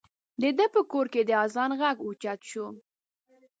د ده په کور کې د اذان غږ اوچت شو.